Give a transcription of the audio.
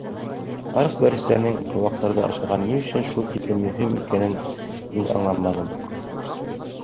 Һарыҡ бәрәстәренең ҡыуаҡтарҙы ашағаны ни өсөн шул тиклем мөһим икәнен мин аңламаным.